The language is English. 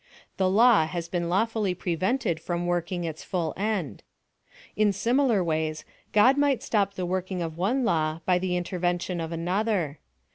The law has been lawfully prevented from working its full end. In similar ways, God might stop the working of one law by the intervention of another.